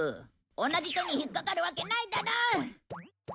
同じ手に引っかかるわけないだろ。